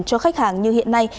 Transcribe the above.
cho khách hàng như hiện nay